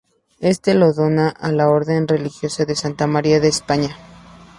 Éste lo dona a la orden religiosa de Santa María de España.